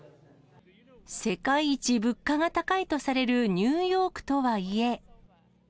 世界一物価が高いとされるニューヨークとはいえ。